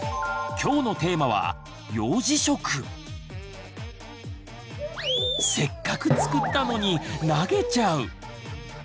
今日のテーマはせっかく作ったのに投げちゃう！